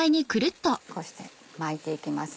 こうして巻いていきます。